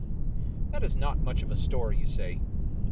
That is not much of a story, you say.